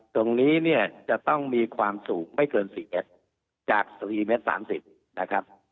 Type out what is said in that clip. ตรงนี้จะต้องมีความสูบไม่เกินบาทจากบาทที่๓๓๐นะครับ